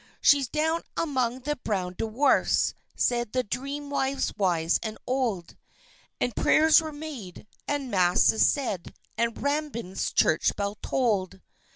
"She's down among the Brown Dwarfs," said the dream wives wise and old, And prayers were made, and masses said, and Rambin's church bell tolled.